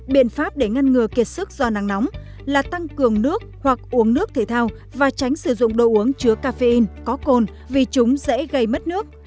biện pháp để ngăn ngừa kiệt sức do nắng nóng là tăng cường nước hoặc uống nước thể thao và tránh sử dụng đồ uống chứa caffeine có côn vì chúng dễ gây mất nước